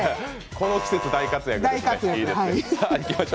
この季節大活躍。